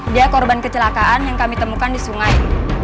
dia korban kecelakaan yang kami temukan di sungai